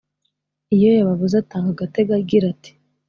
iyo yababuze atanga agategoagira ati